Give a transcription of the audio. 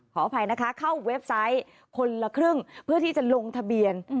ขออภัยนะคะเข้าเว็บไซต์คนละครึ่งเพื่อที่จะลงทะเบียน